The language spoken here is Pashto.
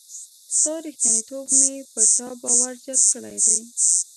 ستا ریښتینتوب مي پر تا باور زیات کړی دی.